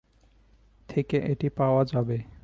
থেকে এটি পাওয়া যাবে।